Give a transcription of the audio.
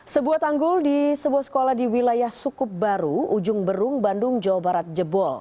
sebuah tanggul di sebuah sekolah di wilayah sukup baru ujung berung bandung jawa barat jebol